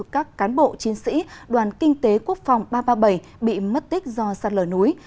các cán bộ chiến sĩ đoàn kinh tế quốc phòng ba trăm ba mươi bảy bị mất tích do sạt lở núi